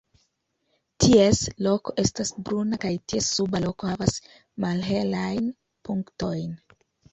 Ties kolo estas bruna kaj ties suba kolo havas malhelajn punktojn.